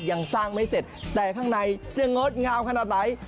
ยังสร้างไม่เสร็จแต่ข้างในจะงดงามขนาดไหน